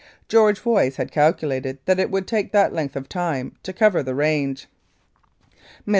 George Voice had calculated that it would take that length of time to cover the range. Mr.